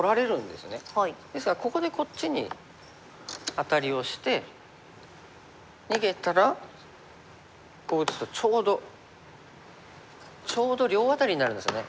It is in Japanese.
ですからここでこっちにアタリをして逃げたらこう打つとちょうどちょうど両アタリになるんですね。